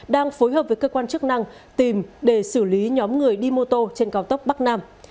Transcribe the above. đang phối hợp với cơ quan chức năng tìm để xử lý nhóm người đi mô tô trên cao tốc bắc nam